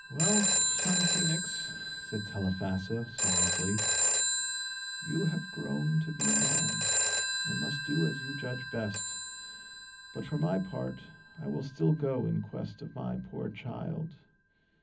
"Well, son Phœnix," said Telephassa, sorrowfully, "you have grown to be a man, and must do as you judge best. But, for my part, I will still go in quest of my poor child."